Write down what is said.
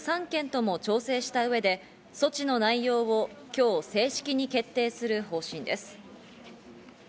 ３県とも調整した上で、措置の内容を今日を正式に決定する方針です。